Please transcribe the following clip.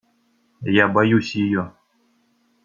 Я боюсь ее!